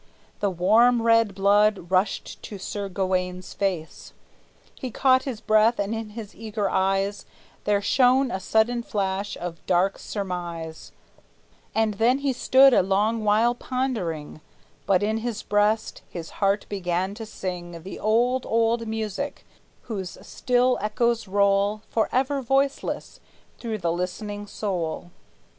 The warm red blood rushed to Sir Gawayne's face; He caught his breath, and in his eager eyes There shone a sudden flash of dark surmise, And then he stood a long while pondering; But in his breast his heart began to sing The old, old music whose still echoes roll Forever voiceless through the listening soul.